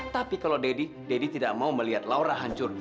tapi kalau daddy daddy tidak mau melihat laura hancur